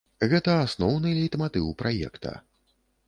Гэта асноўны лейтматыў праекта.